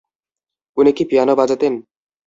উনি কি পিয়ানো বাজাতেন?